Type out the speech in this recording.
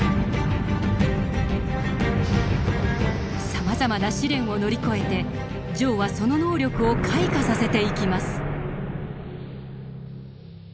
さまざまな試練を乗り越えて丈はその能力を開花させていきます。